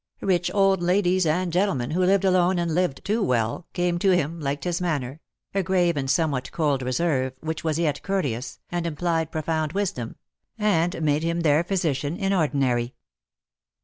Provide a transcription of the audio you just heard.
Rich old .'adies and gentlemen, who lived alone and lived too well, came to him, liked his manner — a grave and somewhat cold reserve, which was yet courteous, and implied profound wisdom — and 8 Lost for Love. made him their physician in ordinary.